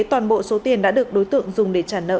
toàn bộ số tiền đã được đối tượng dùng để trả nợ